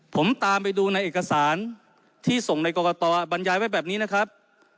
ผมตามไปดูในเอกสารที่ส่งในกรกตบรรยายไว้แบบนี้นะครับ